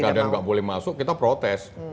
kalau pegadaian gak boleh masuk kita protes